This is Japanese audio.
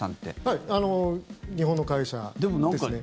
はい日本の会社ですね。